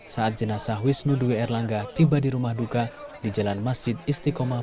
saat jenazah wisnu dwi erlangga tiba di rumah duka di jalan masjid istiqomah